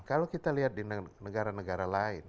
kalau kita lihat di negara negara lain